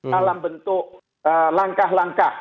dalam bentuk langkah langkah